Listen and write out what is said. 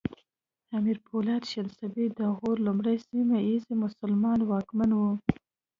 امیر پولاد شنسبی د غور لومړنی سیمه ییز مسلمان واکمن و